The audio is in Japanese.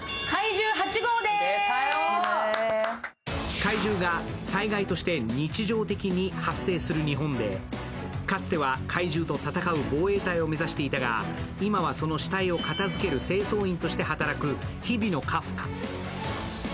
怪獣が災害として日常的に発生する日本で、かつては怪獣と戦う防衛隊を目指していたが今はその死体を片づける清掃員として働く日比野カフカ。